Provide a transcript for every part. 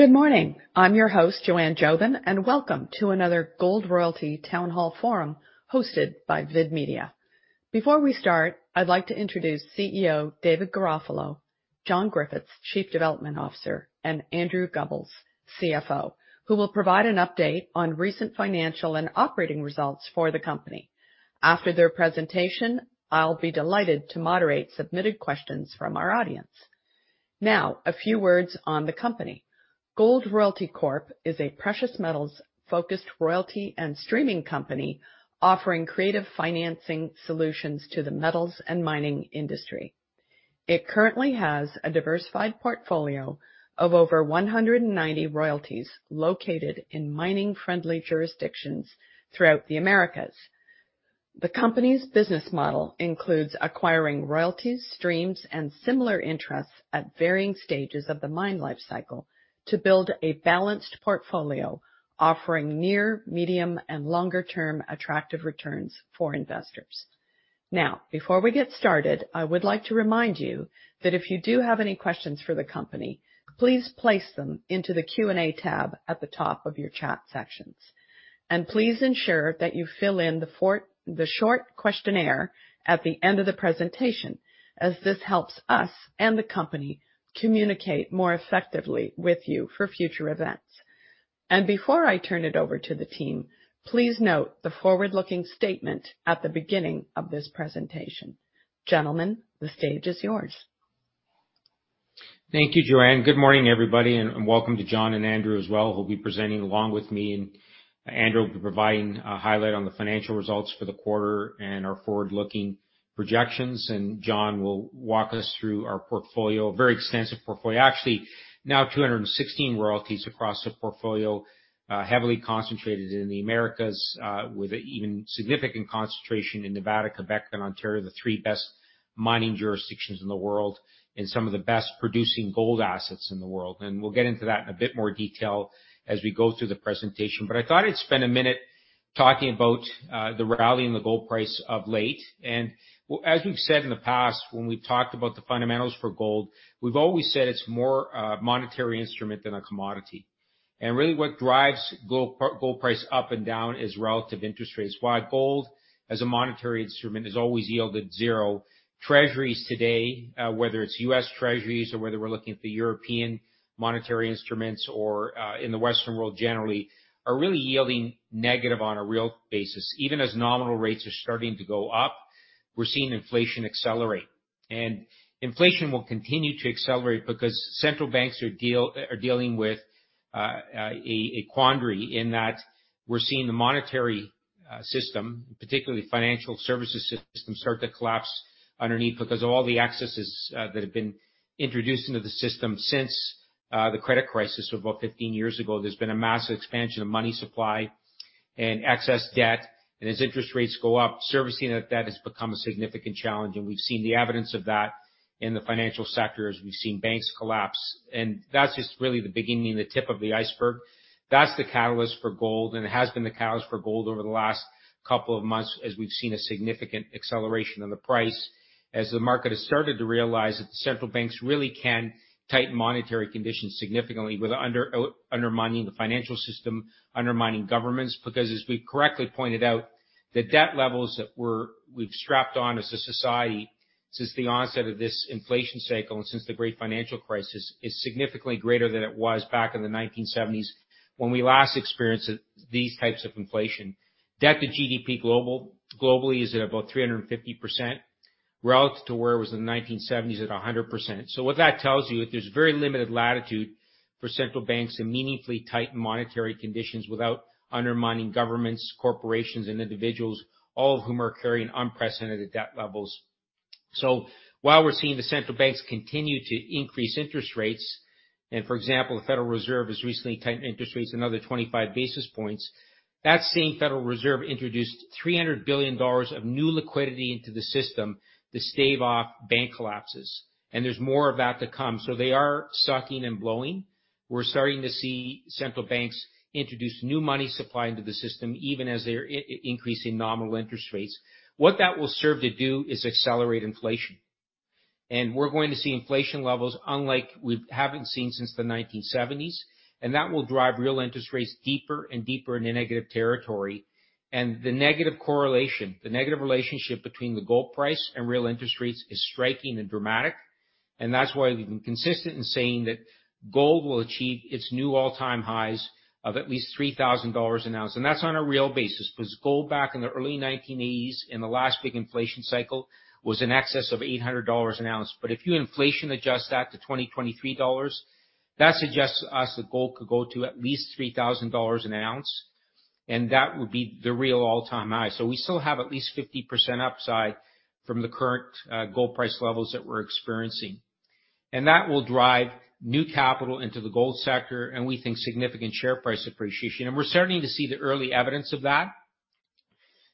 Good morning. I'm your host, Joanne Jobin. Welcome to another Gold Royalty Town Hall Forum hosted by VidMedia. Before we start, I'd like to introduce CEO David Garofalo, John Griffith, Chief Development Officer, and Andrew Gubbels, CFO, who will provide an update on recent financial and operating results for the company. After their presentation, I'll be delighted to moderate submitted questions from our audience. Now, a few words on the company. Gold Royalty Corp. is a precious metals-focused royalty and streaming company offering creative financing solutions to the metals and mining industry. It currently has a diversified portfolio of over 190 royalties located in mining-friendly jurisdictions throughout the Americas. The company's business model includes acquiring royalties, streams, and similar interests at varying stages of the mine lifecycle to build a balanced portfolio offering near, medium, and longer term attractive returns for investors. Before we get started, I would like to remind you that if you do have any questions for the company, please place them into the Q&A tab at the top of your chat sections. Please ensure that you fill in the short questionnaire at the end of the presentation as this helps us and the company communicate more effectively with you for future events. Before I turn it over to the team, please note the forward-looking statement at the beginning of this presentation. Gentlemen, the stage is yours. Thank you, Joanne. Good morning, everybody, and welcome to John and Andrew as well, who'll be presenting along with me. Andrew will be providing a highlight on the financial results for the quarter and our forward-looking projections. John will walk us through our portfolio, a very extensive portfolio. Actually, now 216 royalties across the portfolio, heavily concentrated in the Americas, with a even significant concentration in Nevada, Quebec, and Ontario, the three best mining jurisdictions in the world, and some of the best producing gold assets in the world. We'll get into that in a bit more detail as we go through the presentation. I thought I'd spend a minute talking about the rally and the gold price of late. As we've said in the past when we've talked about the fundamentals for gold, we've always said it's more a monetary instrument than a commodity. Really what drives gold price up and down is relative interest rates. Why? Gold as a monetary instrument has always yielded zero treasuries today, whether it's U.S. Treasuries or whether we're looking at the European monetary instruments or in the Western world generally are really yielding negative on a real basis. Even as nominal rates are starting to go up, we're seeing inflation accelerate. Inflation will continue to accelerate because central banks are dealing with a quandary in that we're seeing the monetary system, particularly financial services system, start to collapse underneath because of all the excesses that have been introduced into the system since the credit crisis of about 15 years ago. There's been a massive expansion of money supply and excess debt. As interest rates go up, servicing that debt has become a significant challenge, and we've seen the evidence of that in the financial sector as we've seen banks collapse. That's just really the beginning and the tip of the iceberg. That's the catalyst for gold. It has been the catalyst for gold over the last couple of months as we've seen a significant acceleration in the price as the market has started to realize that the central banks really can tighten monetary conditions significantly with undermining the financial system, undermining governments. As we correctly pointed out, the debt levels that we've strapped on as a society since the onset of this inflation cycle and since the Great Financial Crisis is significantly greater than it was back in the 1970s when we last experienced these types of inflation. Debt to GDP globally is at about 350% relative to where it was in the 1970s at 100%. What that tells you, there's very limited latitude for central banks to meaningfully tighten monetary conditions without undermining governments, corporations, and individuals, all of whom are carrying unprecedented debt levels. While we're seeing the central banks continue to increase interest rates, and for example, the Federal Reserve has recently tightened interest rates another 25 basis points, that same Federal Reserve introduced $300 billion of new liquidity into the system to stave off bank collapses. There's more of that to come. They are sucking and blowing. We're starting to see central banks introduce new money supply into the system, even as they're increasing nominal interest rates. What that will serve to do is accelerate inflation. We're going to see inflation levels unlike we haven't seen since the 1970s, and that will drive real interest rates deeper and deeper into negative territory. The negative correlation, the negative relationship between the gold price and real interest rates is striking and dramatic. That's why we've been consistent in saying that gold will achieve its new all-time highs of at least $3,000 an ozt. That's on a real basis, because gold back in the early 1980s, in the last big inflation cycle, was in excess of $800 an ozt. If you inflation adjust that to 2023 dollars, that suggests to us that gold could go to at least $3,000 an ozt, and that would be the real all-time high. We still have at least 50% upside from the current gold price levels that we're experiencing. That will drive new capital into the gold sector, and we think significant share price appreciation. We're starting to see the early evidence of that.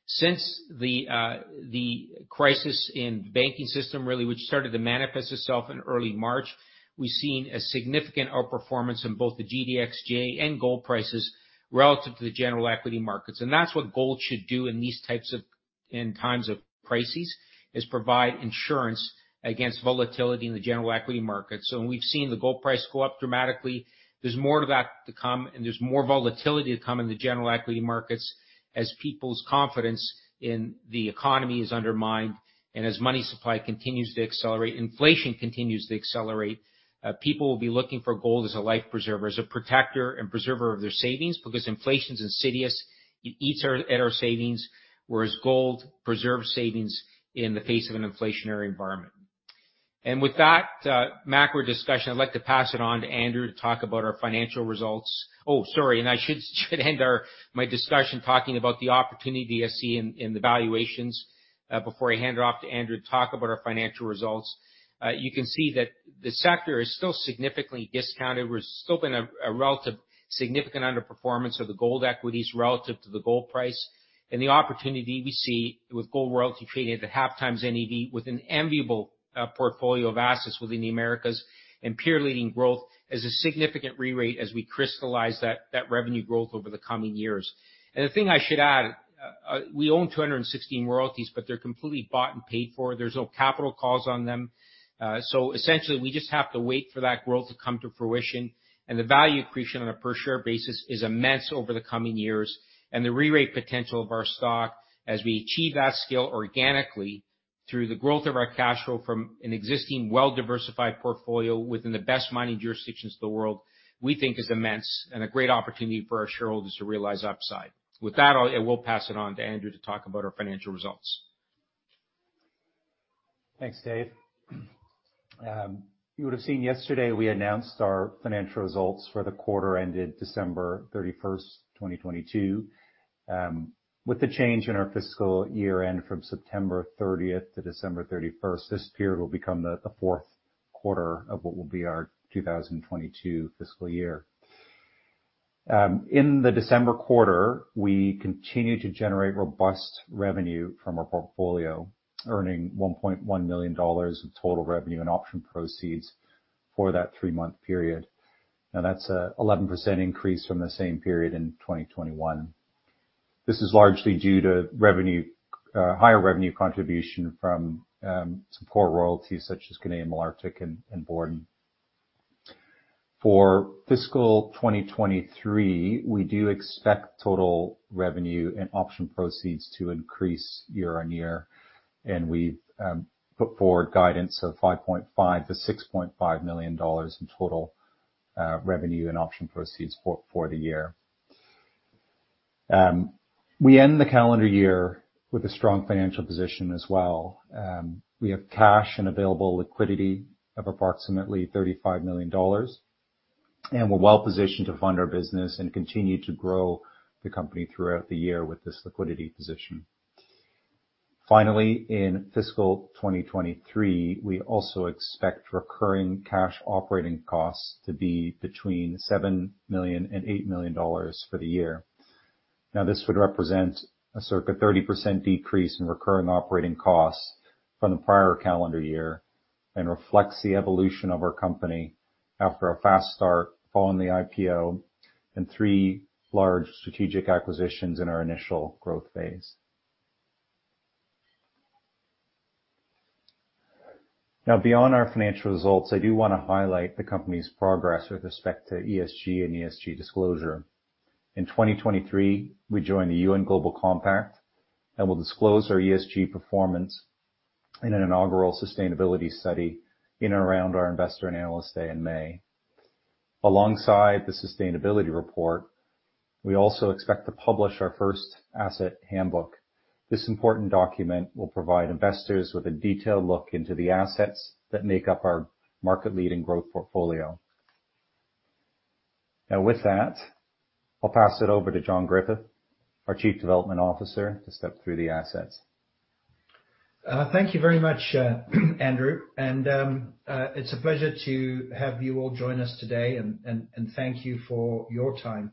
Since the crisis in the banking system really, which started to manifest itself in early March, we've seen a significant outperformance in both the GDXJ and gold prices relative to the general equity markets. That's what gold should do in times of crises, is provide insurance against volatility in the general equity markets. When we've seen the gold price go up dramatically, there's more to that to come, and there's more volatility to come in the general equity markets as people's confidence in the economy is undermined and as money supply continues to accelerate, inflation continues to accelerate, people will be looking for gold as a life preserver, as a protector and preserver of their savings because inflation's insidious, it eats at our savings, whereas gold preserves savings in the face of an inflationary environment. With that, macro discussion, I'd like to pass it on to Andrew to talk about our financial results. Oh, sorry, I should end our, my discussion talking about the opportunity to see in the valuations, before I hand it off to Andrew to talk about our financial results. You can see that the sector is still significantly discounted. We're still in a relative significant underperformance of the gold equities relative to the gold price. The opportunity we see with Gold Royalty trading at 0.5x NAV with an enviable portfolio of assets within the Americas and peer-leading growth as a significant re-rate as we crystallize that revenue growth over the coming years. The thing I should add, we own 216 royalties, but they're completely bought and paid for. There's no capital costs on them. Essentially we just have to wait for that growth to come to fruition, and the value accretion on a per share basis is immense over the coming years. The re-rate potential of our stock as we achieve that scale organically through the growth of our cash flow from an existing well-diversified portfolio within the best mining jurisdictions in the world, we think is immense and a great opportunity for our shareholders to realize upside. With that, I will pass it on to Andrew to talk about our financial results. Thanks, Dave. You would have seen yesterday we announced our financial results for the quarter ended December 31st, 2022. With the change in our fiscal year-end from September 30th to December 31st, this period will become the fourth quarter of what will be our 2022 fiscal year. In the December quarter, we continued to generate robust revenue from our portfolio, earning $1.1 million in total revenue and option proceeds for that three-month period. That's a 11% increase from the same period in 2021. This is largely due to revenue, higher revenue contribution from some core royalties such as Canadian Malartic and Borden. For fiscal 2023, we do expect total revenue and option proceeds to increase year-over-year. We've put forward guidance of $5.5 million-$6.5 million in total revenue and option proceeds for the year. We end the calendar year with a strong financial position as well. We have cash and available liquidity of approximately $35 million. We're well-positioned to fund our business and continue to grow the company throughout the year with this liquidity position. Finally, in fiscal 2023, we also expect recurring cash operating costs to be between $7 million and $8 million for the year. This would represent a circa 30% decrease in recurring operating costs from the prior calendar year and reflects the evolution of our company after a fast start following the IPO and three large strategic acquisitions in our initial growth phase. Beyond our financial results, I do wanna highlight the company's progress with respect to ESG and ESG disclosure. In 2023, we joined the U.N. Global Compact, and we'll disclose our ESG performance in an inaugural sustainability study in and around our Investor and Analyst Day in May. Alongside the sustainability report, we also expect to publish our first asset handbook. This important document will provide investors with a detailed look into the assets that make up our market-leading growth portfolio. With that, I'll pass it over to John Griffith, our Chief Development Officer, to step through the assets. Thank you very much, Andrew. It's a pleasure to have you all join us today and thank you for your time.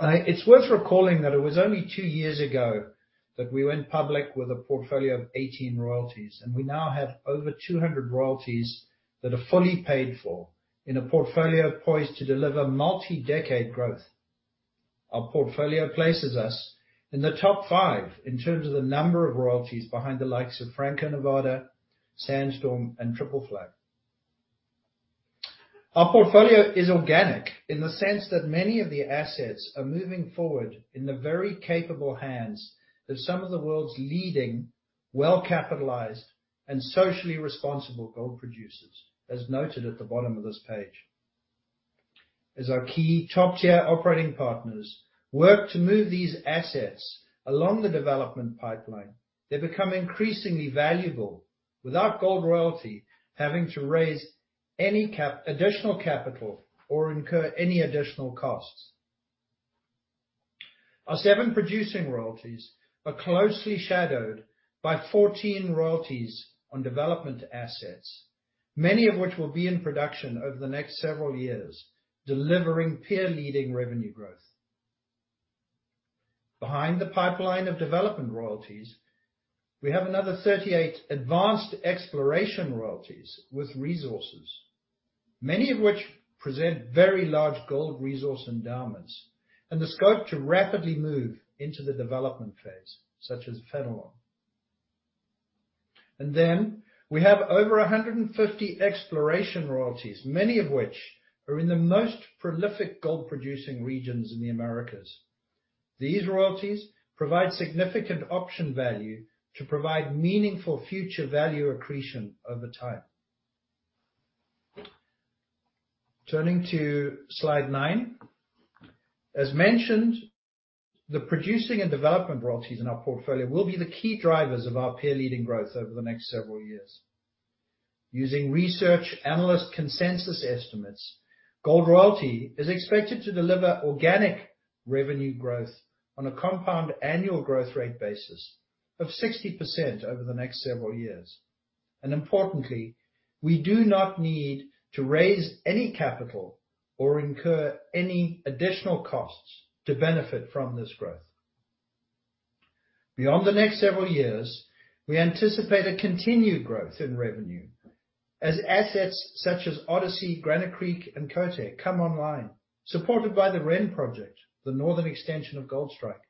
It's worth recalling that it was only two years ago that we went public with a portfolio of 18 royalties, and we now have over 200 royalties that are fully paid for in a portfolio poised to deliver multi-decade growth. Our portfolio places us in the top five in terms of the number of royalties behind the likes of Franco-Nevada, Sandstorm, and Triple Flag. Our portfolio is organic in the sense that many of the assets are moving forward in the very capable hands of some of the world's leading well-capitalized and socially responsible gold producers, as noted at the bottom of this page. As our key top-tier operating partners work to move these assets along the development pipeline, they become increasingly valuable without Gold Royalty having to raise any additional capital or incur any additional costs. Our seven producing royalties are closely shadowed by 14 royalties on development assets, many of which will be in production over the next several years, delivering peer-leading revenue growth. Behind the pipeline of development royalties, we have another 38 advanced exploration royalties with resources. Many of which present very large gold resource endowments and the scope to rapidly move into the development phase, such as Fenelon. We have over 150 exploration royalties, many of which are in the most prolific gold producing regions in the Americas. These royalties provide significant option value to provide meaningful future value accretion over time. Turning to slide 9. As mentioned, the producing and development royalties in our portfolio will be the key drivers of our peer-leading growth over the next several years. Using research analyst consensus estimates, Gold Royalty is expected to deliver organic revenue growth on a compound annual growth rate basis of 60% over the next several years. Importantly, we do not need to raise any capital or incur any additional costs to benefit from this growth. Beyond the next several years, we anticipate a continued growth in revenue as assets such as Odyssey, Granite Creek and Côté come online, supported by the Ren Project, the northern extension of Goldstrike,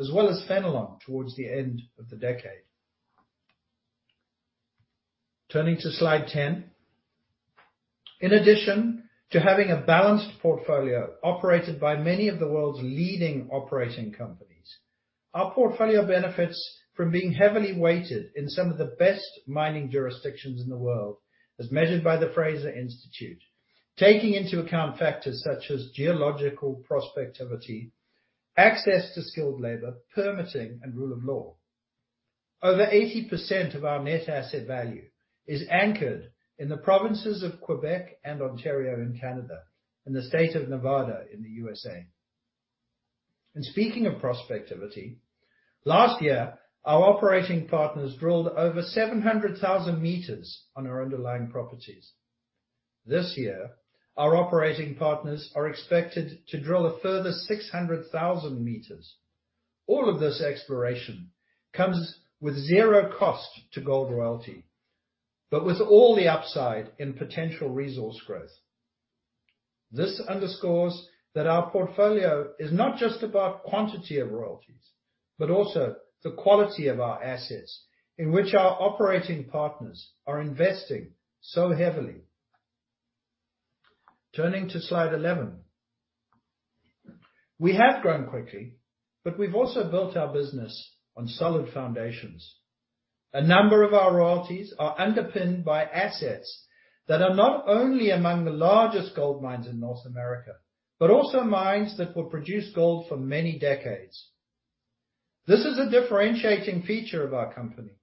as well as Fénelon towards the end of the decade. Turning to slide 10. In addition to having a balanced portfolio operated by many of the world's leading operating companies, our portfolio benefits from being heavily weighted in some of the best mining jurisdictions in the world, as measured by the Fraser Institute, taking into account factors such as geological prospectivity, access to skilled labor, permitting, and rule of law. Over 80% of our net asset value is anchored in the provinces of Quebec and Ontario in Canada and the state of Nevada in the USA. Speaking of prospectivity, last year, our operating partners drilled over 700,000 meters on our underlying properties. This year, our operating partners are expected to drill a further 600,000 meters. All of this exploration comes with zero cost to Gold Royalty, but with all the upside in potential resource growth. This underscores that our portfolio is not just about quantity of royalties, but also the quality of our assets in which our operating partners are investing so heavily. Turning to slide 11. We have grown quickly, but we've also built our business on solid foundations. A number of our royalties are underpinned by assets that are not only among the largest gold mines in North America, but also mines that will produce gold for many decades. This is a differentiating feature of our company.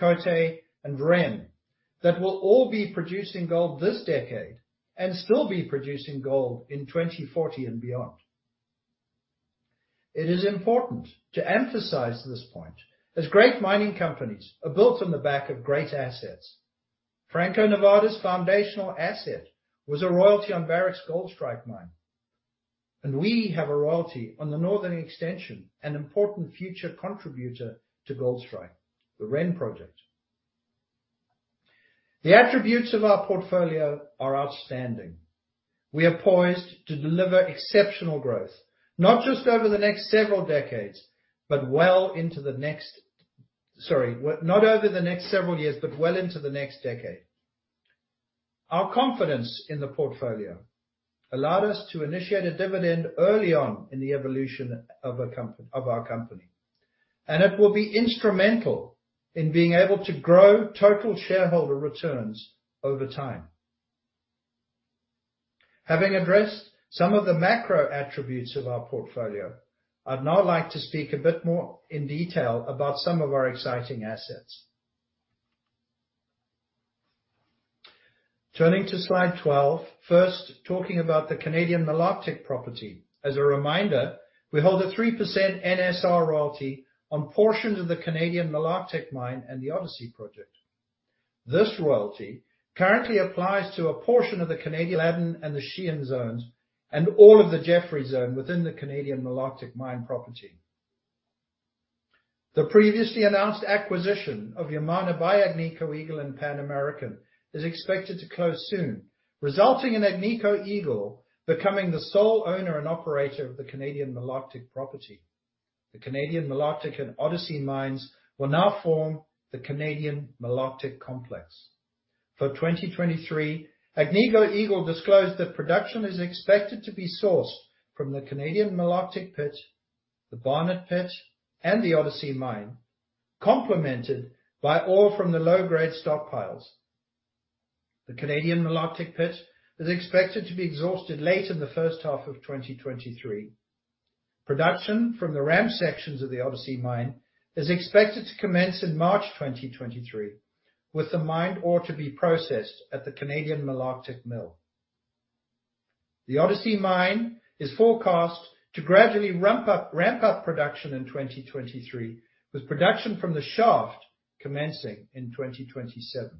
None of our more immediate peers have multiple assets such as Odyssey, Côté and Ren that will all be producing gold this decade and still be producing gold in 2040 and beyond. It is important to emphasize this point as great mining companies are built on the back of great assets. Franco-Nevada's foundational asset was a royalty on Barrick's Goldstrike mine. We have a royalty on the northern extension, an important future contributor to Goldstrike, the REN Project. The attributes of our portfolio are outstanding. We are poised to deliver exceptional growth, not just over the next several decades. Sorry. Not over the next several years, but well into the next decade. Our confidence in the portfolio allowed us to initiate a dividend early on in the evolution of our company. It will be instrumental in being able to grow total shareholder returns over time. Having addressed some of the macro attributes of our portfolio, I'd now like to speak a bit more in detail about some of our exciting assets. Turning to slide 12. First, talking about the Canadian Malartic property. As a reminder, we hold a 3% NSR royalty on portions of the Canadian Malartic mine and the Odyssey project. This royalty currently applies to a portion of the Canadian Aladdin and the Sheehan zones and all of the Jeffrey Zone within the Canadian Malartic mine property. The previously announced acquisition of Yamana by Agnico Eagle and Pan American is expected to close soon, resulting in Agnico Eagle becoming the sole owner and operator of the Canadian Malartic property. The Canadian Malartic and Odyssey mines will now form the Canadian Malartic Complex. For 2023, Agnico Eagle disclosed that production is expected to be sourced from the Canadian Malartic pit, the Barnat pit, and the Odyssey mine, complemented by ore from the low-grade stockpiles. The Canadian Malartic pit is expected to be exhausted late in the first half of 2023. Production from the ramp sections of the Odyssey mine is expected to commence in March 2023, with the mined ore to be processed at the Canadian Malartic mill. The Odyssey mine is forecast to gradually ramp up production in 2023, with production from the shaft commencing in 2027.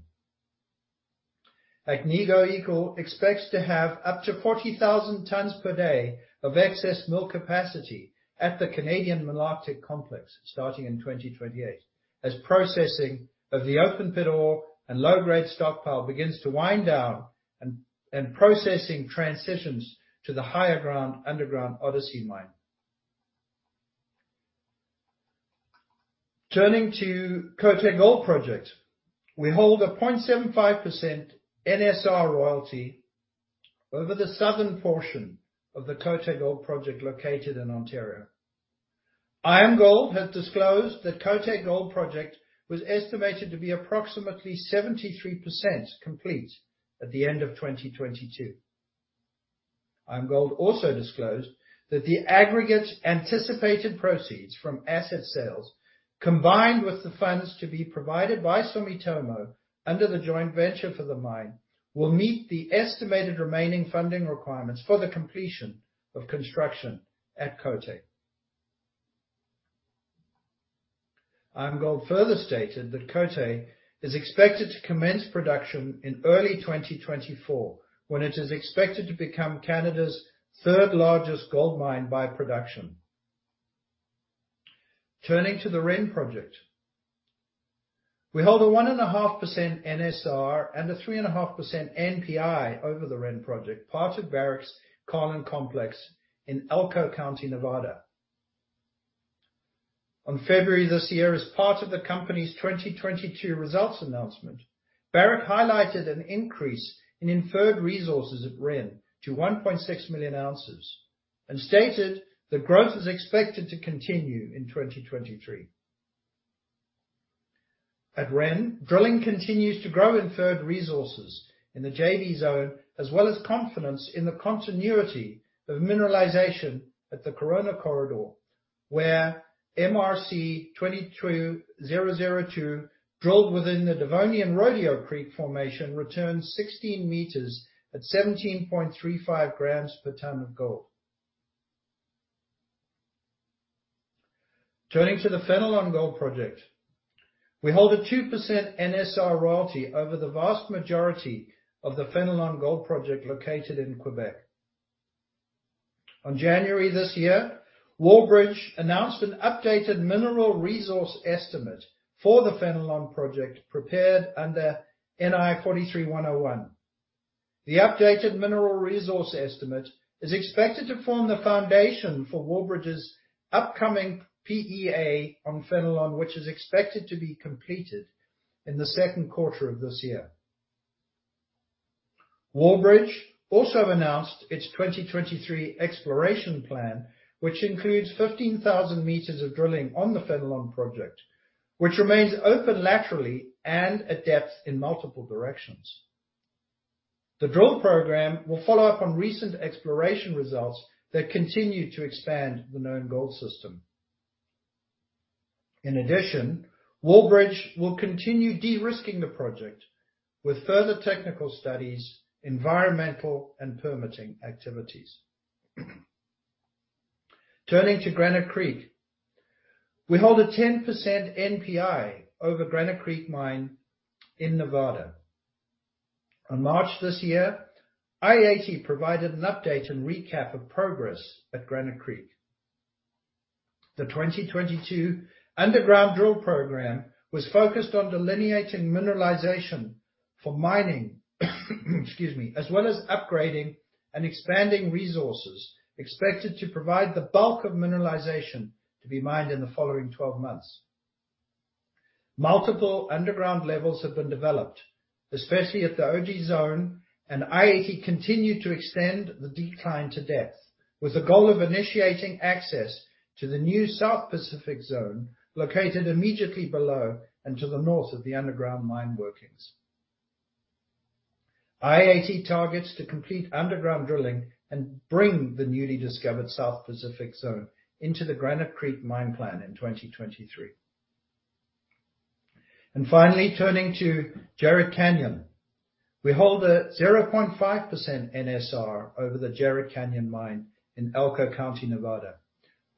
Agnico Eagle expects to have up to 40,000 tons per day of excess mill capacity at the Canadian Malartic Complex starting in 2028, as processing of the open pit ore and low-grade stockpile begins to wind down and processing transitions to the higher ground underground Odyssey mine. Turning to Côté Gold Project. We hold a 0.75% NSR royalty over the southern portion of the Côté Gold Project located in Ontario. IAMGOLD has disclosed that Côté Gold Project was estimated to be approximately 73% complete at the end of 2022. IAMGOLD also disclosed that the aggregate anticipated proceeds from asset sales, combined with the funds to be provided by Sumitomo under the joint venture for the mine, will meet the estimated remaining funding requirements for the completion of construction at Côté. IAMGOLD further stated that Côté is expected to commence production in early 2024, when it is expected to become Canada's third-largest gold mine by production. Turning to the REN Project. We hold a 1.5% NSR and a 3.5% NPI over the REN Project, part of Barrick's Carlin Complex in Elko County, Nevada. On February this year, as part of the company's 2022 results announcement, Barrick highlighted an increase in inferred resources at REN to 1.6 million ozt and stated that growth is expected to continue in 2023. At REN, drilling continues to grow inferred resources in the JV Zone, as well as confidence in the continuity of mineralization at the Corona Corridor, where MRC-22002, drilled within the Devonian Rodeo Creek formation, returned 16 meters at 17.35 g/t per ton of gold. Turning to the Fenelon Gold Project. We hold a 2% NSR royalty over the vast majority of the Fenelon Gold Project located in Quebec. On January this year, Wallbridge announced an updated mineral resource estimate for the Fénelon Project prepared under NI 43-101.The updated mineral resource estimate is expected to form the foundation for Wallbridge's upcoming PEA on Fenelon, which is expected to be completed in the second quarter of this year. Wallbridge also announced its 2023 exploration plan, which includes 15,000 meters of drilling on the Fénelon Project, which remains open laterally and at depth in multiple directions. The drill program will follow up on recent exploration results that continue to expand the known gold system. In addition, Wallbridge will continue de-risking the project with further technical studies, environmental, and permitting activities. Turning to Granite Creek. We hold a 10% NPI over Granite Creek Mine in Nevada. On March this year, i-80 provided an update and recap of progress at Granite Creek. The 2022 underground drill program was focused on delineating mineralization for mining, excuse me, as well as upgrading and expanding resources expected to provide the bulk of mineralization to be mined in the following 12 months. Multiple underground levels have been developed, especially at the Ogee zone, i-80 continued to extend the decline to depth, with the goal of initiating access to the new South Pacific zone located immediately below and to the north of the underground mine workings. i-80 targets to complete underground drilling and bring the newly discovered South Pacific zone into the Granite Creek mine plan in 2023. Finally, turning to Jerritt Canyon. We hold a 0.5% NSR over the Jerritt Canyon Mine in Elko County, Nevada.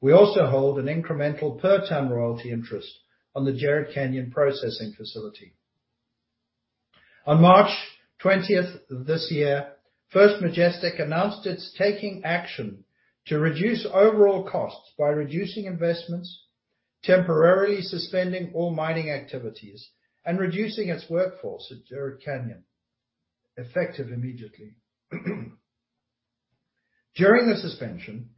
We also hold an incremental per ton royalty interest on the Jerritt Canyon processing facility. On March 20th this year, First Majestic announced it's taking action to reduce overall costs by reducing investments, temporarily suspending all mining activities, and reducing its workforce at Jerritt Canyon, effective immediately. During the suspension,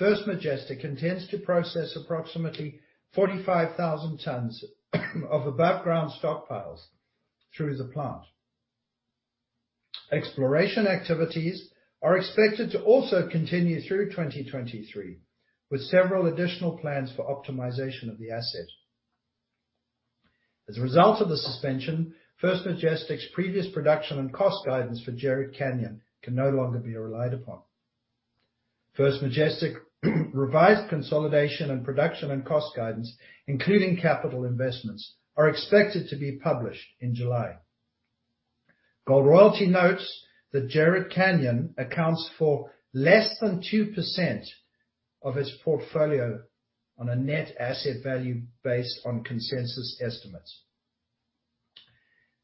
First Majestic intends to process approximately 45,000 tons of above-ground stockpiles through the plant. Exploration activities are expected to also continue through 2023, with several additional plans for optimization of the asset. As a result of the suspension, First Majestic's previous production and cost guidance for Jerritt Canyon can no longer be relied upon. First Majestic revised consolidation and production and cost guidance, including capital investments, are expected to be published in July. Gold Royalty notes that Jerritt Canyon accounts for less than 2% of its portfolio on a net asset value based on consensus estimates.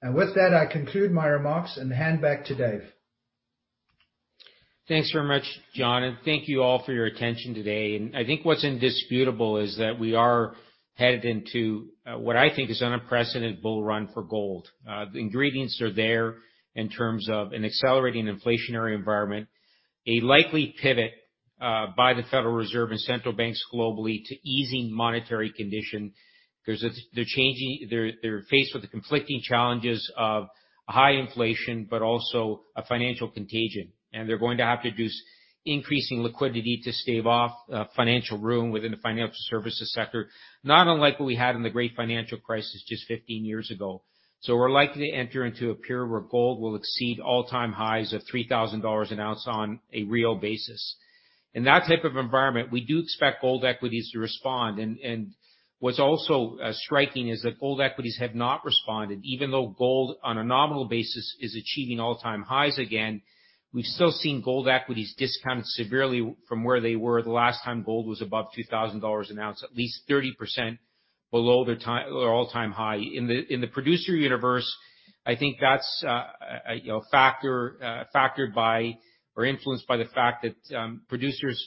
With that, I conclude my remarks and hand back to David. Thanks very much, John, and thank you all for your attention today. I think what's indisputable is that we are headed into what I think is unprecedented bull run for gold. The ingredients are there in terms of an accelerating inflationary environment, a likely pivot by the Federal Reserve and central banks globally to easing monetary condition. They're faced with the conflicting challenges of high inflation, but also a financial contagion. They're going to have to do increasing liquidity to stave off financial room within the financial services sector, not unlike what we had in the great financial crisis just 15 years ago. We're likely to enter into a period where gold will exceed all-time highs of $3,000 an ozt on a real basis. In that type of environment, we do expect gold equities to respond. What's also striking is that gold equities have not responded, even though gold on a nominal basis is achieving all-time highs again. We've still seen gold equities discounted severely from where they were the last time gold was above $2,000 an ozt, at least 30% below their all-time high. In the producer universe, I think that's, you know, factored by or influenced by the fact that producers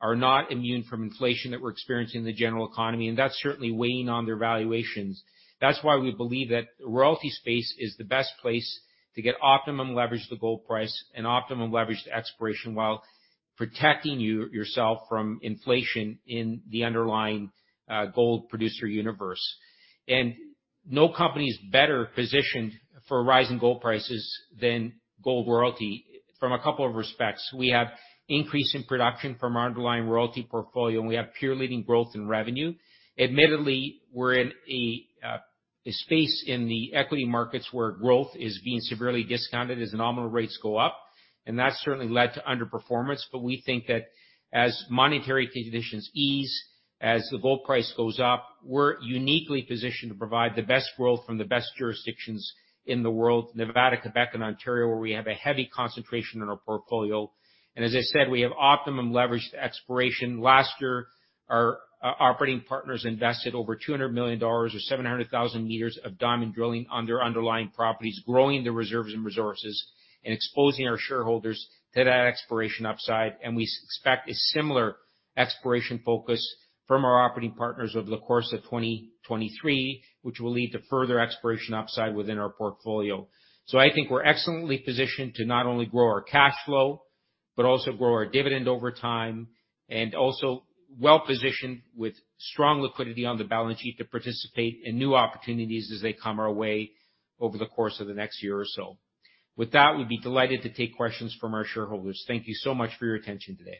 are not immune from inflation that we're experiencing in the general economy, and that's certainly weighing on their valuations. That's why we believe that royalty space is the best place to get optimum leverage to gold price and optimum leverage to exploration while protecting yourself from inflation in the underlying gold producer universe. No company is better positioned for rising gold prices than Gold Royalty from a couple of respects. We have increase in production from our underlying royalty portfolio, and we have peer-leading growth in revenue. Admittedly, we're in a space in the equity markets where growth is being severely discounted as the nominal rates go up, and that's certainly led to underperformance. We think that as monetary conditions ease, as the gold price goes up, we're uniquely positioned to provide the best growth from the best jurisdictions in the world, Nevada, Quebec, and Ontario, where we have a heavy concentration in our portfolio. As I said, we have optimum leverage to exploration. Last year, our operating partners invested over $200 million or 700,000 meters of diamond drilling on their underlying properties, growing the reserves and resources and exposing our shareholders to that exploration upside. We expect a similar exploration focus from our operating partners over the course of 2023, which will lead to further exploration upside within our portfolio. I think we're excellently positioned to not only grow our cash flow, but also grow our dividend over time, and also well-positioned with strong liquidity on the balance sheet to participate in new opportunities as they come our way over the course of the next year or so. With that, we'd be delighted to take questions from our shareholders. Thank you so much for your attention today.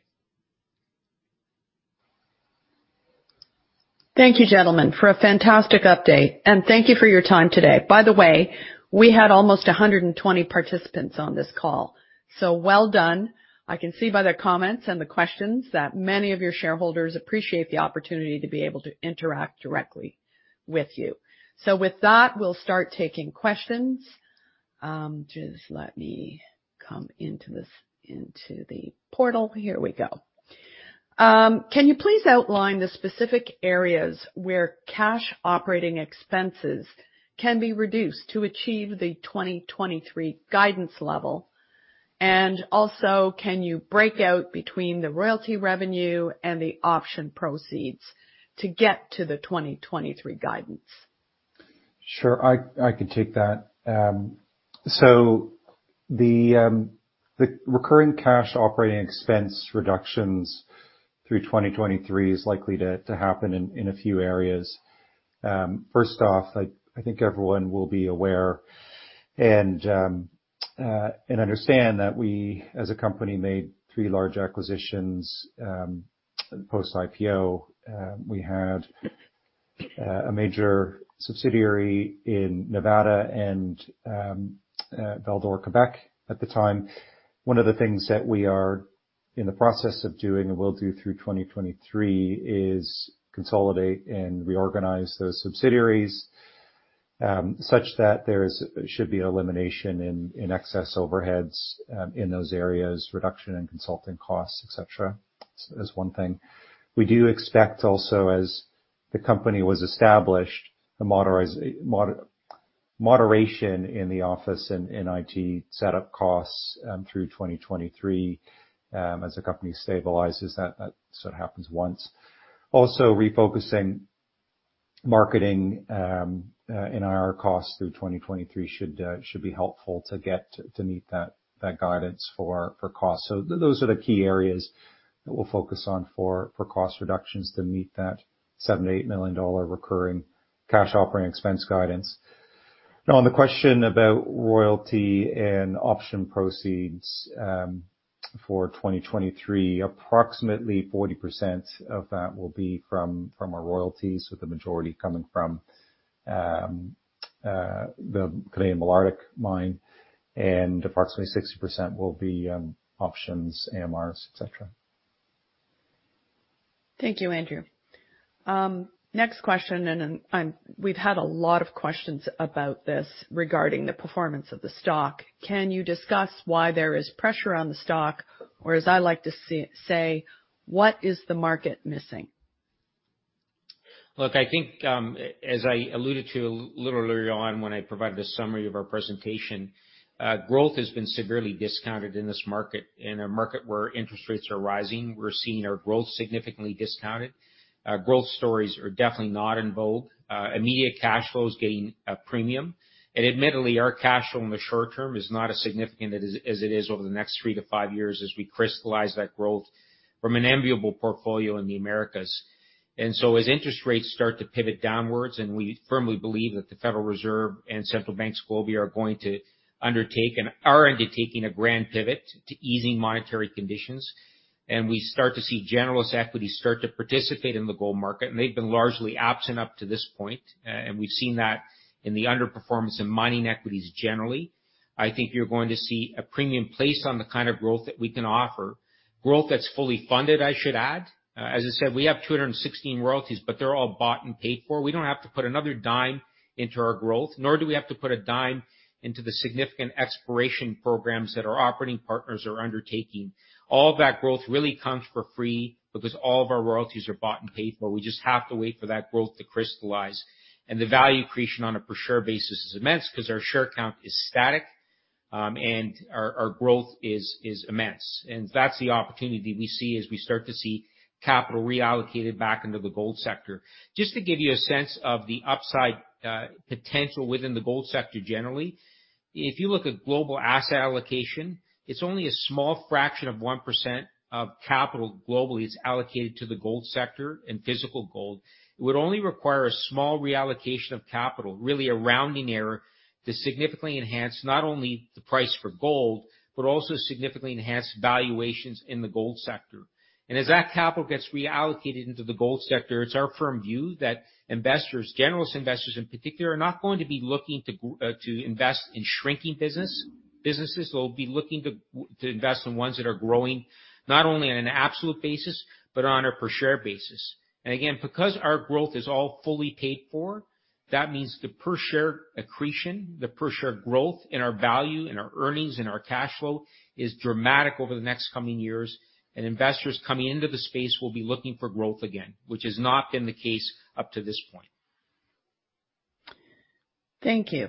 Thank you, gentlemen, for a fantastic update. Thank you for your time today. By the way, we had almost 120 participants on this call, well done. I can see by their comments and the questions that many of your shareholders appreciate the opportunity to be able to interact directly with you. With that, we'll start taking questions. Just let me come into this, into the portal. Here we go. Can you please outline the specific areas where cash operating expenses can be reduced to achieve the 2023 guidance level? Also, can you break out between the royalty revenue and the option proceeds to get to the 2023 guidance? Sure. I can take that. The recurring cash operating expense reductions through 2023 is likely to happen in a few areas. First off, I think everyone will be aware and understand that we, as a company, made three large acquisitions post-IPO. We had a major subsidiary in Nevada and Val-d'Or, Quebec at the time. One of the things that we are in the process of doing and will do through 2023 is consolidate and reorganize those subsidiaries, such that should be elimination in excess overheads in those areas, reduction in consulting costs, et cetera, is one thing. We do expect also, as the company was established, a moderation in the office in IT set up costs through 2023, as the company stabilizes. That sort of happens once. Refocusing marketing in our costs through 2023 should be helpful to get to meet that guidance for cost. Those are the key areas that we'll focus on for cost reductions to meet that $7 million-$8 million recurring cash operating expense guidance. On the question about royalty and option proceeds for 2023, approximately 40% of that will be from our royalties, with the majority coming from the Canadian Malartic mine, and approximately 60% will be options, ARMs, et cetera. Thank you, Andrew. Next question. We've had a lot of questions about this regarding the performance of the stock. Can you discuss why there is pressure on the stock, or as I like to say, what is the market missing? Look, I think, as I alluded to a little earlier on when I provided a summary of our presentation, growth has been severely discounted in this market. In a market where interest rates are rising, we're seeing our growth significantly discounted. Growth stories are definitely not in vogue. Immediate cash flow is getting a premium. Admittedly, our cash flow in the short term is not as significant as it is over the next three to five years as we crystallize that growth from an enviable portfolio in the Americas. As interest rates start to pivot downwards, and we firmly believe that the Federal Reserve and central banks globally are going to undertake and are undertaking a grand pivot to easing monetary conditions, and we start to see generalist equities start to participate in the gold market, and they've been largely absent up to this point. We've seen that in the underperformance in mining equities generally. I think you're going to see a premium placed on the kind of growth that we can offer, growth that's fully funded, I should add. As I said, we have 216 royalties, but they're all bought and paid for. We don't have to put another dime into our growth, nor do we have to put a dime into the significant exploration programs that our operating partners are undertaking. All that growth really comes for free because all of our royalties are bought and paid for. We just have to wait for that growth to crystallize. The value accretion on a per share basis is immense because our share count is static, and our growth is immense. That's the opportunity we see as we start to see capital reallocated back into the gold sector. Just to give you a sense of the upside potential within the gold sector generally, if you look at global asset allocation, it's only a small fraction of 1% of capital globally is allocated to the gold sector and physical gold. It would only require a small reallocation of capital, really a rounding error, to significantly enhance not only the price for gold, but also significantly enhance valuations in the gold sector. As that capital gets reallocated into the gold sector, it's our firm view that investors, generalist investors in particular, are not going to be looking to invest in shrinking businesses. They'll be looking to invest in ones that are growing, not only on an absolute basis, but on a per share basis. Again, because our growth is all fully paid for, that means the per share accretion, the per share growth in our value, in our earnings, in our cash flow is dramatic over the next coming years. Investors coming into the space will be looking for growth again, which has not been the case up to this point. Thank you.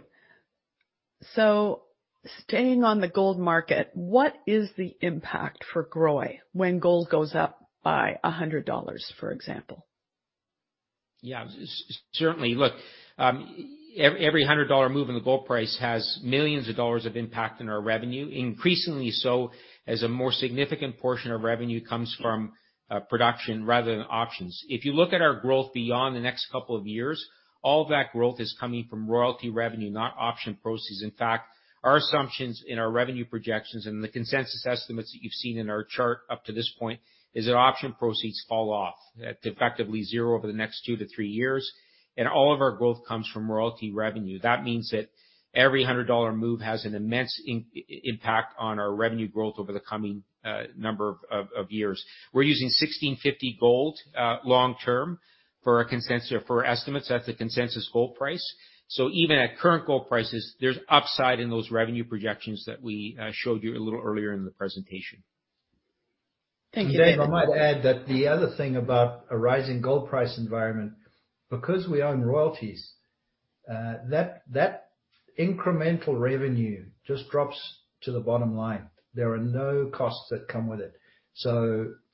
Staying on the gold market, what is the impact for GROY when gold goes up by $100, for example? Yeah, certainly. Look, every $100 move in the gold price has millions of dollars of impact on our revenue, increasingly so as a more significant portion of revenue comes from production rather than options. If you look at our growth beyond the next couple of years, all that growth is coming from royalty revenue, not option proceeds. In fact, our assumptions in our revenue projections and the consensus estimates that you've seen in our chart up to this point is that option proceeds fall off at effectively zero over the next two-three years, and all of our growth comes from royalty revenue. That means that every $100 move has an immense impact on our revenue growth over the coming number of years. We're using $1,650 gold long term for estimates. That's a consensus gold price. Even at current gold prices, there's upside in those revenue projections that we showed you a little earlier in the presentation. Thank you. I might add that the other thing about a rising gold price environment, because we own royalties, that incremental revenue just drops to the bottom line. There are no costs that come with it.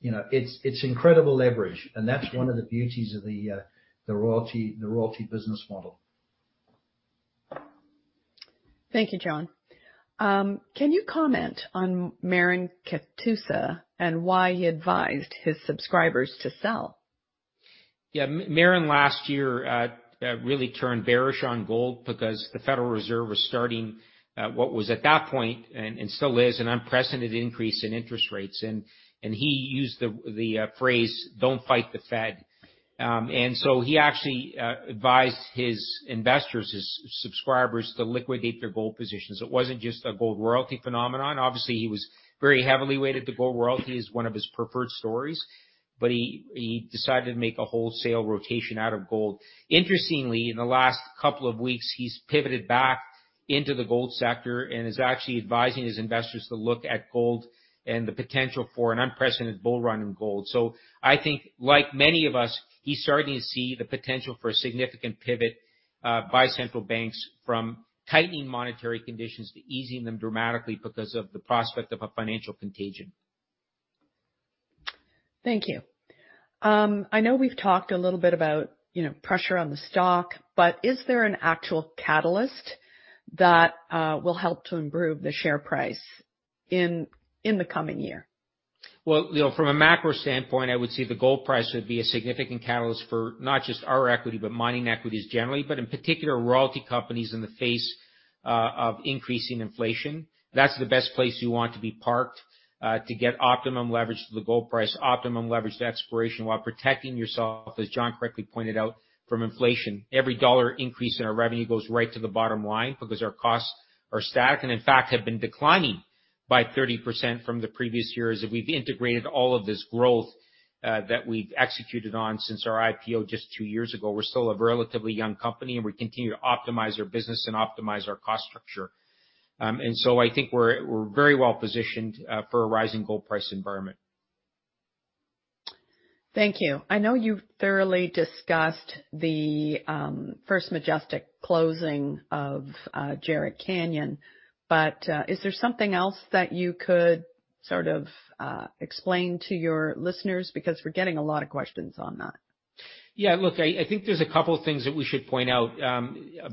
You know, it's incredible leverage, and that's one of the beauties of the royalty business model. Thank you, John. Can you comment on Marin Katusa and why he advised his subscribers to sell? Yeah. Marin last year really turned bearish on gold because the Federal Reserve was starting what was at that point, and still is, an unprecedented increase in interest rates. He used the phrase, "Don't fight the Fed." He actually advised his investors, his subscribers to liquidate their gold positions. It wasn't just a Gold Royalty phenomenon. Obviously, he was very heavily weighted to Gold Royalty as one of his preferred stories, but he decided to make a wholesale rotation out of gold. Interestingly, in the last couple of weeks, he's pivoted back into the gold sector and is actually advising his investors to look at gold and the potential for an unprecedented bull run in gold. I think like many of us, he's starting to see the potential for a significant pivot by central banks from tightening monetary conditions to easing them dramatically because of the prospect of a financial contagion. Thank you. I know we've talked a little bit about, you know, pressure on the stock, but is there an actual catalyst that will help to improve the share price in the coming year? Well, you know, from a macro standpoint, I would say the gold price would be a significant catalyst for not just our equity, but mining equities generally, but in particular, royalty companies in the face of increasing inflation. That's the best place you want to be parked to get optimum leverage to the gold price, optimum leverage to exploration while protecting yourself, as John correctly pointed out, from inflation. Every dollar increase in our revenue goes right to the bottom line because our costs are static and in fact, have been declining by 30% from the previous years, and we've integrated all of this growth that we've executed on since our IPO just two years ago. We're still a relatively young company, and we continue to optimize our business and optimize our cost structure. I think we're very well-positioned for a rising gold price environment. Thank you. I know you've thoroughly discussed the First Majestic closing of Jerritt Canyon. Is there something else that you could sort of explain to your listeners? We're getting a lot of questions on that. Look, I think there's a couple of things that we should point out.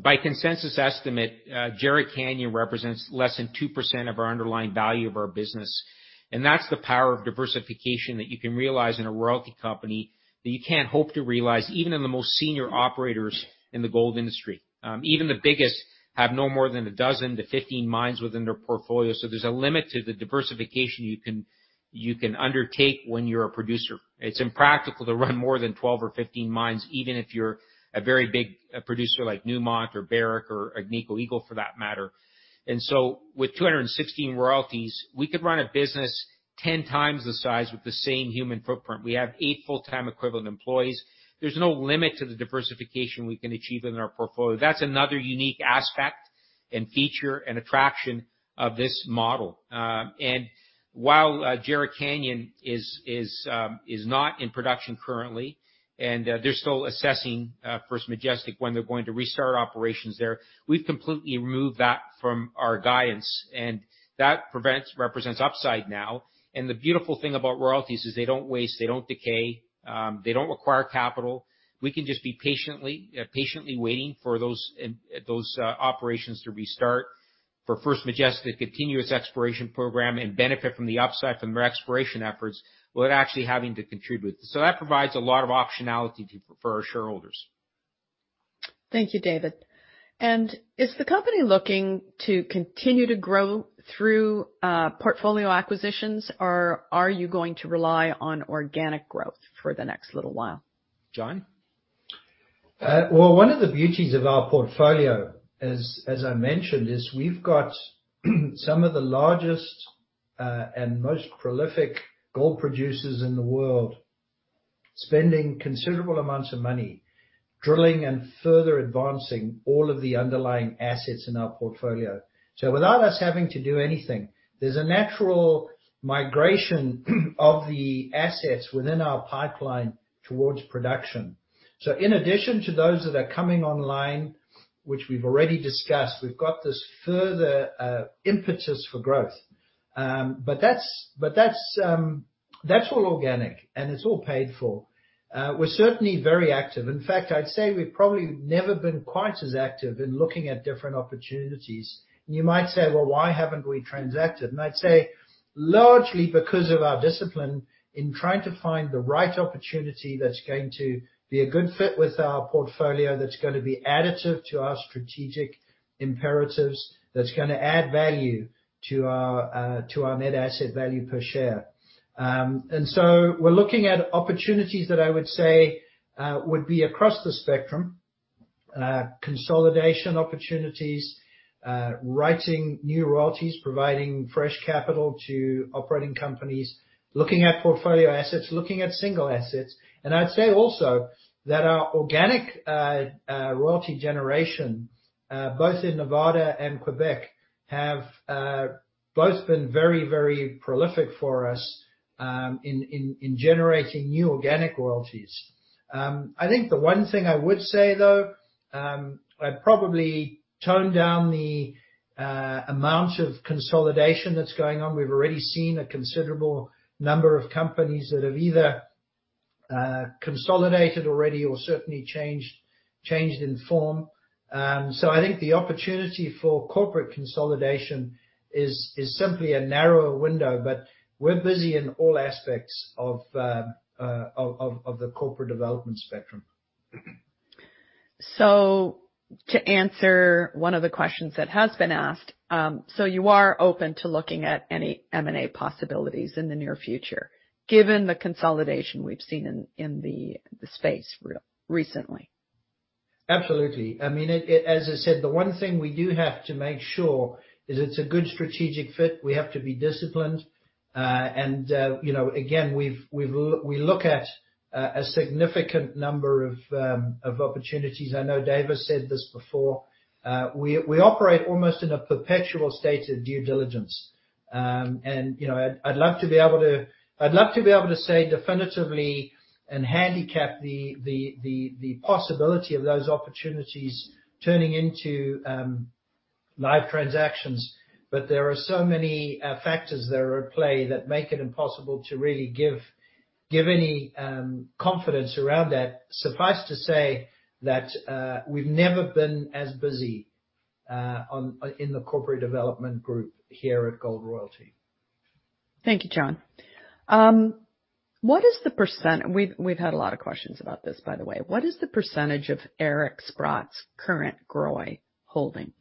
By consensus estimate, Jerritt Canyon represents less than 2% of our underlying value of our business, and that's the power of diversification that you can realize in a royalty company that you can't hope to realize even in the most senior operators in the gold industry. Even the biggest have no more than a dozen to 15 mines within their portfolio, so there's a limit to the diversification you can, you can undertake when you're a producer. It's impractical to run more than 12 or 15 mines, even if you're a very big producer like Newmont or Barrick or Agnico Eagle, for that matter. With 216 royalties, we could run a business 10x the size with the same human footprint. We have eight full-time equivalent employees. There's no limit to the diversification we can achieve in our portfolio. That's another unique aspect and feature and attraction of this model. While Jerritt Canyon is not in production currently, and they're still assessing First Majestic when they're going to restart operations there, we've completely removed that from our guidance, and that represents upside now. The beautiful thing about royalties is they don't waste, they don't decay, they don't require capital. We can just be patiently waiting for those operations to restart for First Majestic continuous exploration program and benefit from the upside from their exploration efforts without actually having to contribute. That provides a lot of optionality for our shareholders. Thank you, David. Is the company looking to continue to grow through portfolio acquisitions, or are you going to rely on organic growth for the next little while? John? Well, one of the beauties of our portfolio, as I mentioned, is we've got some of the largest and most prolific gold producers in the world spending considerable amounts of money drilling and further advancing all of the underlying assets in our portfolio. Without us having to do anything, there's a natural migration of the assets within our pipeline towards production. In addition to those that are coming online, which we've already discussed, we've got this further impetus for growth. That's all organic, and it's all paid for. We're certainly very active. In fact, I'd say we've probably never been quite as active in looking at different opportunities. You might say, "Well, why haven't we transacted?" I'd say, largely because of our discipline in trying to find the right opportunity that's going to be a good fit with our portfolio, that's gonna be additive to our strategic imperatives, that's gonna add value to our net asset value per share. So we're looking at opportunities that I would say would be across the spectrum, consolidation opportunities, writing new royalties, providing fresh capital to operating companies, looking at portfolio assets, looking at single assets. I'd say also that our organic royalty generation, both in Nevada and Quebec, have both been very prolific for us in generating new organic royalties. I think the one thing I would say, though, I'd probably tone down the amount of consolidation that's going on. We've already seen a considerable number of companies that have either consolidated already or certainly changed in form. I think the opportunity for corporate consolidation is simply a narrower window, but we're busy in all aspects of the corporate development spectrum. To answer one of the questions that has been asked, so you are open to looking at any M&A possibilities in the near future, given the consolidation we've seen in the space recently? Absolutely. I mean, as I said, the one thing we do have to make sure, is it's a good strategic fit. We have to be disciplined. You know, again, we look at a significant number of opportunities. I know David said this before. We operate almost in a perpetual state of due diligence. You know, I'd love to be able to say definitively and handicap the possibility of those opportunities turning into live transactions, but there are so many factors that are at play that make it impossible to really give any confidence around that. Suffice to say that we've never been as busy on in the corporate development group here at Gold Royalty. Thank you, John. We've had a lot of questions about this, by the way. What is the percentage of Eric Sprott's current GROY holding?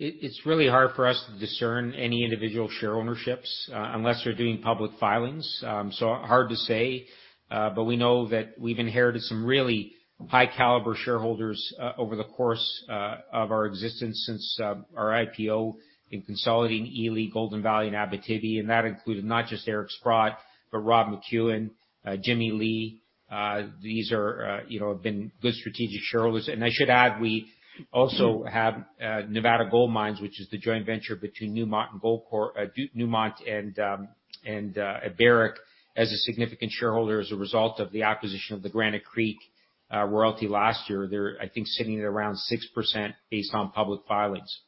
It's really hard for us to discern any individual share ownerships, unless they're doing public filings. Hard to say, but we know that we've inherited some really high caliber shareholders, over the course, of our existence since our IPO in consolidating Ely, Golden Valley, and Abitibi. That included not just Eric Sprott, but Rob McEwen, Jimmy Lee. These are, you know, have been good strategic shareholders. I should add, we also have Nevada Gold Mines, which is the joint venture between Newmont and Barrick as a significant shareholder as a result of the acquisition of the Granite Creek royalty last year. They're, I think, sitting at around 6% based on public filings.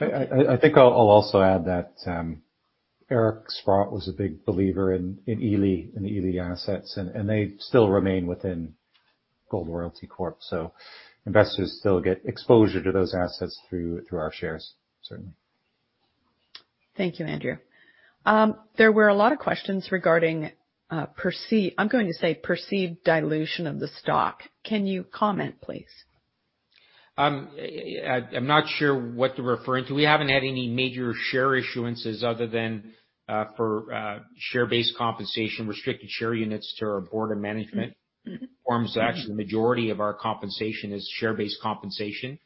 I think I'll also add that Eric Sprott was a big believer in Ely and the Ely assets, and they still remain within Gold Royalty Corp. Investors still get exposure to those assets through our shares, certainly. Thank you, Andrew. There were a lot of questions regarding perceived dilution of the stock. Can you comment, please? I'm not sure what they're referring to. We haven't had any major share issuances other than for share-based compensation, restricted share units to our Board of Management. Forms actually the majority of our compensation is share-based compensation.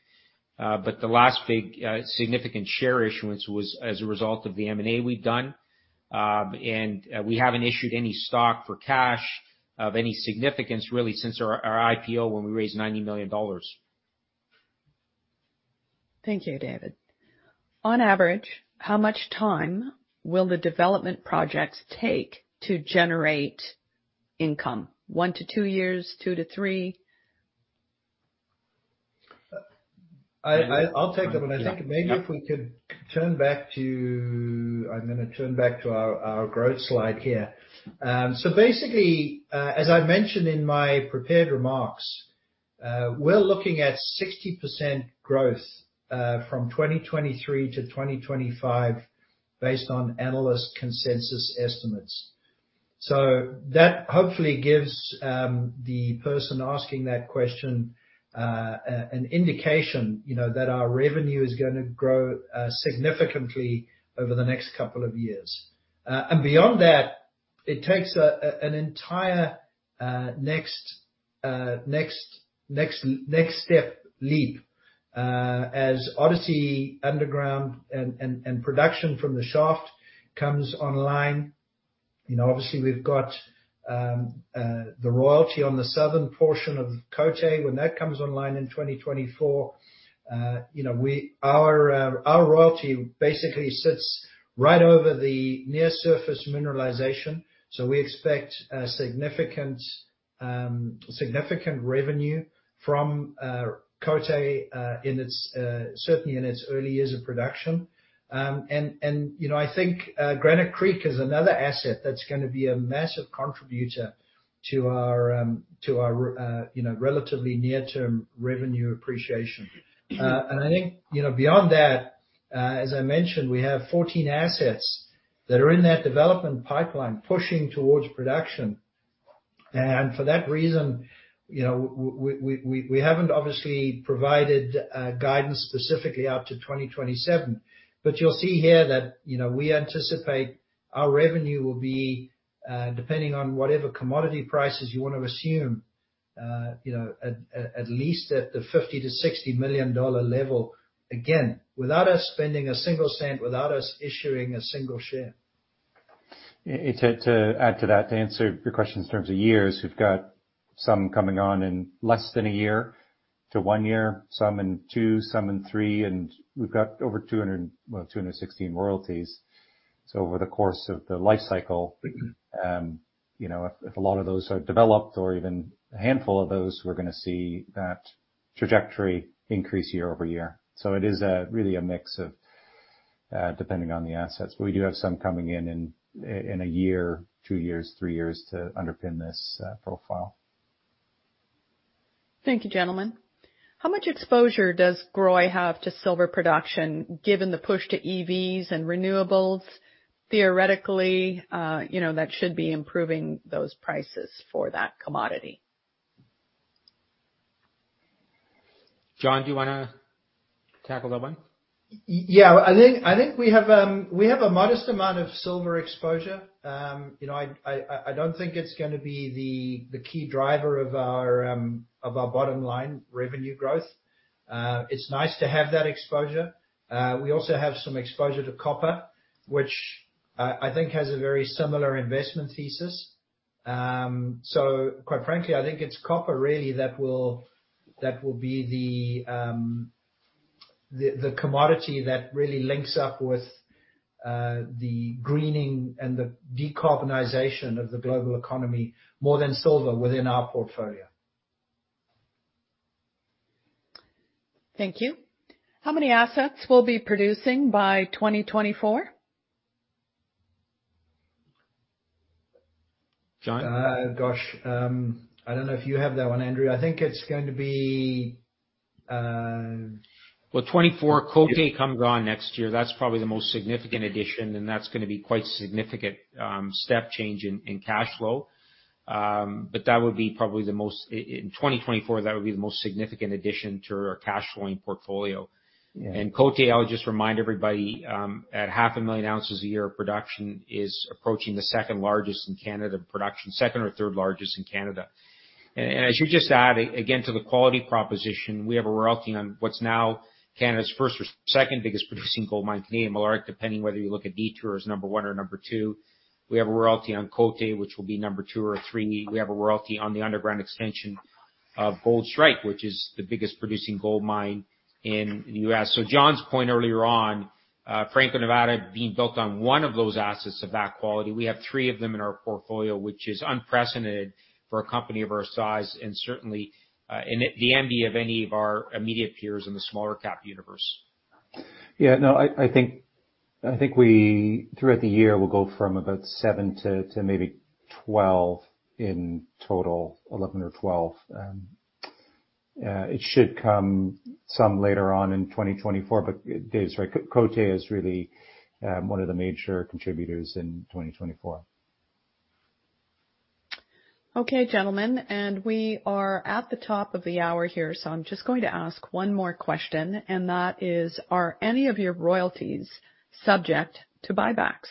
The last big, significant share issuance was as a result of the M&A we've done. We haven't issued any stock for cash of any significance really since our IPO when we raised $90 million. Thank you, David. On average, how much time will the development projects take to generate income? One to two years, two to three? I, I- Andrew, do you wanna? I'll take that one. I think maybe if we could turn back to our growth slide here. Basically, as I mentioned in my prepared remarks, we're looking at 60% growth from 2023–2025 based on analyst consensus estimates. That hopefully gives the person asking that question an indication, you know, that our revenue is gonna grow significantly over the next couple of years. Beyond that, it takes an entire next step leap as Odyssey underground and production from the shaft comes online. You know, obviously we've got the royalty on the southern portion of Côté when that comes online in 2024. You know, our royalty basically sits right over the near surface mineralization. We expect a significant revenue from Côté, certainly in its early years of production. You know, I think Granite Creek is another asset that's gonna be a massive contributor to our relatively near-term revenue appreciation. I think, beyond that, as I mentioned, we have 14 assets that are in that development pipeline pushing towards production. For that reason, we haven't obviously provided guidance specifically out to 2027. You'll see here that we anticipate our revenue will be, depending on whatever commodity prices you wanna assume, least at the $50 million-$60 million level, again, without us spending a single cent, without us issuing a single share. Yeah, to add to that, to answer your question in terms of years, we've got some coming on in less than a year to one year, some in two, some in three, and we've got over 216 royalties. Over the course of the life cycle, a lot of those are developed or even a handful of those, we're gonna see that trajectory increase year-over-year. It is really a mix of, depending on the assets. We do have some coming in a year, two years, three years to underpin this profile. Thank you, gentlemen. How much exposure does GROY have to silver production, given the push to EVs and renewables? Theoretically, that should be improving those prices for that commodity. John, do you wanna tackle that one? Yeah. I think we have a modest amount of silver exposure. I don't think it's gonna be the key driver of our bottom line revenue growth. It's nice to have that exposure. We also have some exposure to copper, which I think has a very similar investment thesis. Quite frankly, I think it's copper really that will be the commodity that really links up with the greening and the decarbonization of the global economy more than silver within our portfolio. Thank you. How many assets will be producing by 2024? Gosh, I don't know if you have that one, Andrew. I think it's going to be, Well, 2024, Côté comes on next year. That's probably the most significant addition, and that's gonna be quite significant step change in cash flow. But that would be probably the most in 2024, that would be the most significant addition to our cash flowing portfolio. Yeah. Côté, I'll just remind everybody, at 500,000 ozt a year of production, is approaching the second largest in Canada production, second or third largest in Canada. As you just add, again, to the quality proposition, we have a royalty on what's now Canada's first or second biggest producing gold mine today, Malartic, depending whether you look at Detour as number one or number two. We have a royalty on Côté, which will be number two or three. We have a royalty on the underground extension of Goldstrike, which is the biggest producing gold mine in the U.S. John's point earlier on, Franco-Nevada being built on one of those assets of that quality. We have three of them in our portfolio, which is unprecedented for a company of our size and certainly, the envy of any of our immediate peers in the smaller cap universe. Yeah, no, I think we—throughout the year, will go from about seven to maybe 12 in total, 11 or 12. It should come some later on in 2024, but David's right. Côté is really, one of the major contributors in 2024. Okay, gentlemen. We are at the top of the hour here. I'm just going to ask one more question. That is: Are any of your royalties subject to buybacks?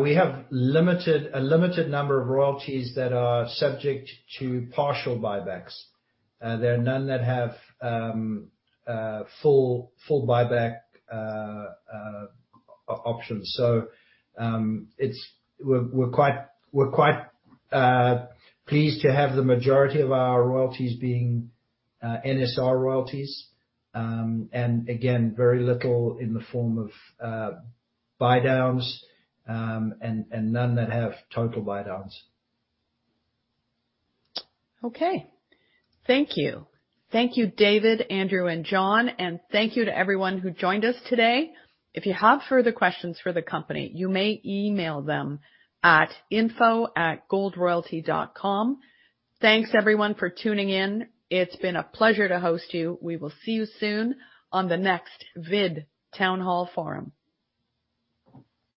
We have a limited number of royalties that are subject to partial buybacks. There are none that have full buyback options. We're quite pleased to have the majority of our royalties being NSR royalties. Again, very little in the form of buy downs, and none that have total buy downs. Okay. Thank you. Thank you, David, Andrew, and John. Thank you to everyone who joined us today. If you have further questions for the company, you may email them at info@GoldRoyalty.com. Thanks, everyone, for tuning in. It's been a pleasure to host you. We will see you soon on the next VID Town Hall Forum.